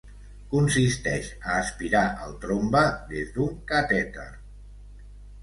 Consisteix a aspirar el trombe des d'un catèter.